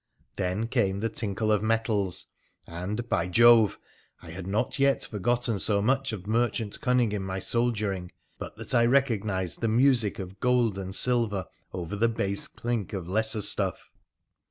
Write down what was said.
Then came the tinkle of metals, and, by Jove ! I had not yet forgotten so much of merchant cunning in my soldiering but that I recog nised the music of gold and silver over the base clink of lesser stuff.